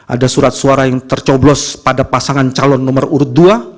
ada surat suara yang tercoblos pada pasangan calon nomor urut dua